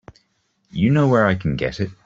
You know where I can get it?